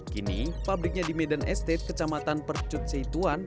kini pabriknya di medan estate kecamatan percut seituan